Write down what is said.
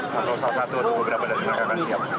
satu salah satu atau beberapa dari mereka akan siap